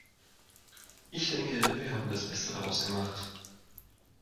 Ich denke, wir haben das Beste daraus gemacht.